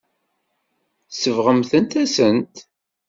Tsebɣemt-asen-ten.